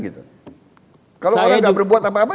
kalau orang tidak berbuat apa apa